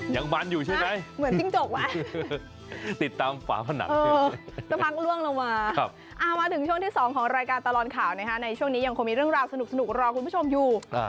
ยังมันอยู่ใช่ไหมเหมือนจิ้งจกไหมติดตามฝาผนังอยู่สักพักล่วงลงมามาถึงช่วงที่๒ของรายการตลอดข่าวนะคะในช่วงนี้ยังคงมีเรื่องราวสนุกรอคุณผู้ชมอยู่